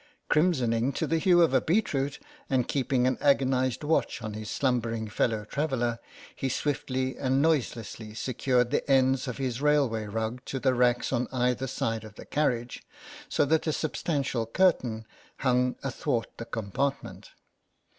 Crimsoning to the hue of a beetroot and keeping an agonised watch on his slumbering fellow traveller, he swiftly and noiselessly secured the ends of his railway rug to the racks on either side of the carriage, so that a substantial curtain I20 THE MOUSE hung athwart the compartment.